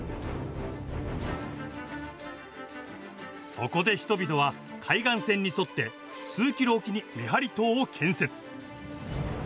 そこで人々は海岸線に沿って数キロおきに見張り塔を建設。